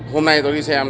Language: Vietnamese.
hôm nay tôi đi xem